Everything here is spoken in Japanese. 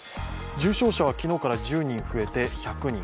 重症者は昨日から１０人増えて１００人